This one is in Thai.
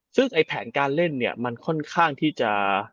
ซึ่งแผนการเล่นมันค่อนข้างที่จะ